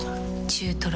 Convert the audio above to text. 中トロ。